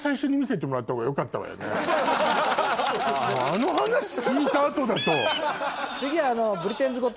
あの話聞いた後だと。